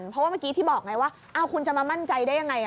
เพราะว่าเมื่อกี้ที่บอกไงว่าคุณจะมามั่นใจได้ยังไง